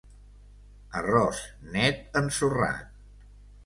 Arròs net ensorrat...